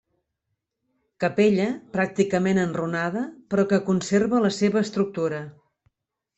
Capella, pràcticament enrunada, però que conserva la seva estructura.